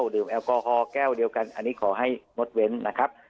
ดื่มแอลกอฮอลแก้วเดียวกันอันนี้ขอให้งดเว้นนะครับ